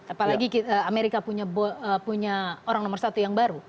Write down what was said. apalagi amerika punya orang nomor satu yang baru